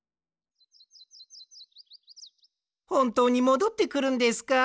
ほんとうにもどってくるんですか？